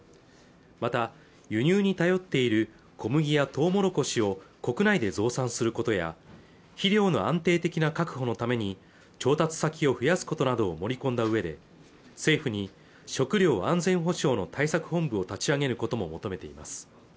また輸入に頼っている小麦やトウモロコシを国内で増産する事や肥料の安定的な確保のために調達先を増やすことなどを盛り込んだ上で政府に食料安全保障の対策本部を立ち上げることも求めています